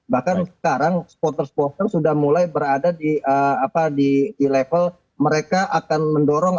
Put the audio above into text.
bahkan sekarang supporter supporter sudah mulai berada di level mereka akan mendorong